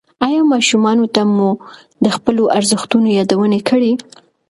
ایا ماشومانو ته مو د خپلو ارزښتونو یادونه کړې؟